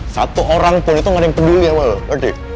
satu orang pun itu gak ada yang peduli sama lu ngerti